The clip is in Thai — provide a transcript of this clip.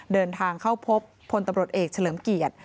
เดินทางเข้าพบพลตำรวจเอกเฉลิมเกียรติ